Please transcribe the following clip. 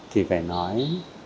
thì phải nói